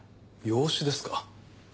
養子ですか？